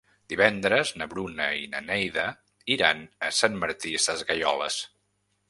Divendres na Bruna i na Neida iran a Sant Martí Sesgueioles.